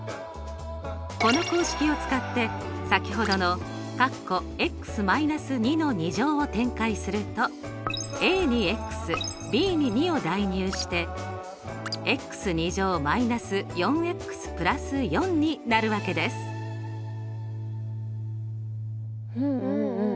この公式を使って先ほどのを展開するとにｂに２を代入してうんうん。